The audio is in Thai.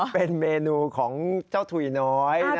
เป็นเมนูของเจ้าถุยน้อย